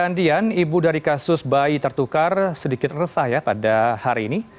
andian ibu dari kasus bayi tertukar sedikit resah ya pada hari ini